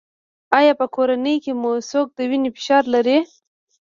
ایا په کورنۍ کې مو څوک د وینې فشار لري؟